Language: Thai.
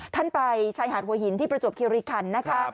ท่านไปชายหาดหัวหินที่ประจวบคิริคันนะคะ